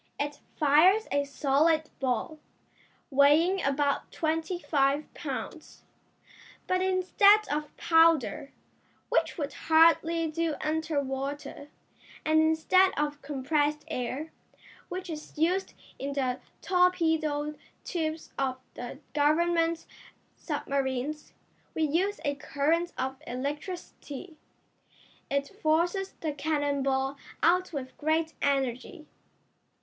It fires a solid ball, weighing about twenty five pounds, but instead of powder, which would hardly do under water, and instead of compressed air, which is used in the torpedo tubes of the Government submarines, we use a current of electricity. It forces the cannon ball out with great energy."